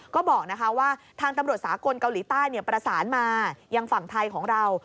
ก็บอกว่าทางตำรวจสากลเกาหลีใต้ประสานมายังฝั่งไทยของเรา